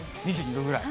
２２度ぐらい？